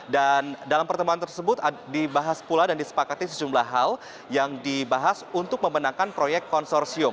dalam pertemuan tersebut dibahas pula dan disepakati sejumlah hal yang dibahas untuk memenangkan proyek konsorsium